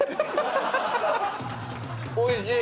おいしい！